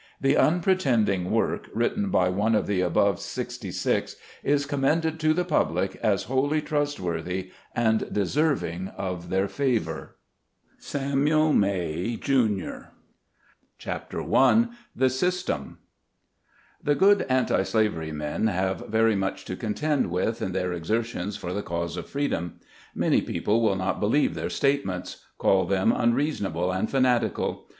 The unpretending work, written by one of the above sixty six, is commended to the public as wholly trustworthy, and deserving of their favor. SAMUEL MAY, Jr. SKETCHES OF SLAVE LIFE. CHAPTER I. THE SYSTEM. SHE good anti slavery men have very much to contend with, in their exertions for the cause of freedom. Many people will not believe their statements; call them unreasonable and fanatical.